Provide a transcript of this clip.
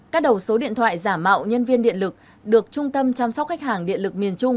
các đầu số điện thoại giả mạo nhân viên điện lực được trung tâm chăm sóc khách hàng điện lực miền trung